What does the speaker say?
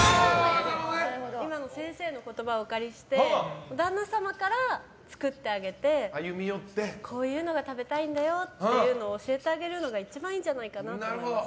今の先生の言葉をお借りして旦那様から作ってあげてこういうのが食べたいんだよって教えてあげるのが一番いいんじゃないかなと思いました。